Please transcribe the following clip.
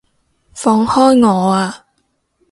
放開我啊！